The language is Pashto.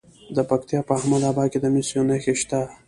د پکتیا په احمد اباد کې د مسو نښې شته.